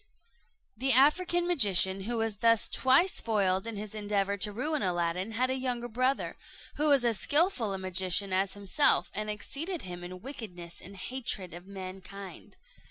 The African magician, who was thus twice foiled in his endeavour to ruin Aladdin, had a younger brother, who was as skilful a magician as himself, and exceeded him in wickedness and hatred of mankind.